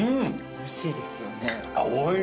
おいしいですよね。